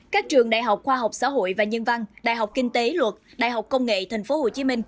các trường đại học khoa học xã hội và nhân văn đại học kinh tế luật đại học công nghệ tp hcm